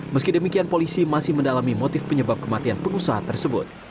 meski demikian polisi masih mendalami motif penyebab kematian pengusaha tersebut